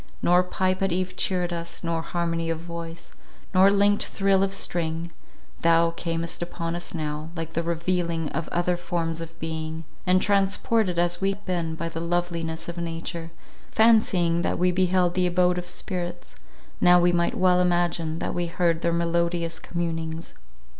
Nor pipe at eve cheered us, nor harmony of voice, nor linked thrill of string; thou camest upon us now, like the revealing of other forms of being; and transported as we had been by the loveliness of nature, fancying that we beheld the abode of spirits, now we might well imagine that we heard their melodious communings.